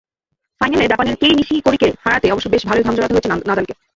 ফাইনালে জাপানের কেই নিশিকোরিকে হারাতে অবশ্য বেশ ভালোই ঘাম ঝরাতে হয়েছে নাদালকে।